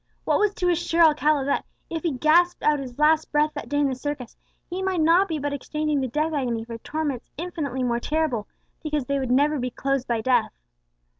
What was to assure Alcala that, if he gasped out his last breath that day in the circus, he might not be but exchanging the death agony for torments infinitely more terrible, because they would never be closed by death?